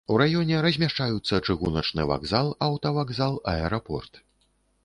У раёне размяшчаюцца чыгуначны вакзал, аўтавакзал, аэрапорт.